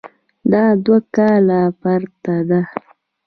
دا دوه کاله پرته ده.